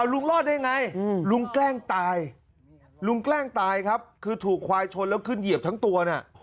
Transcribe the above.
ลุงรอดได้อย่างไรลุงแกล้งตายคือถูกควายชนแล้วขึ้นเหยียบทั้งตัว